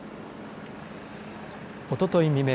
おととい未明